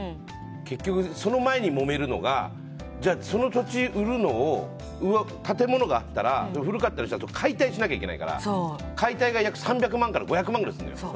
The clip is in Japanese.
結局、その前にもめるのがその土地を売るのを建物があったら古かったりしたら解体しなきゃいけないから解体が約３００万から５００万くらいするのよ。